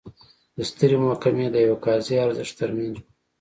د سترې محکمې د یوه قاضي ارزښت ترمنځ و.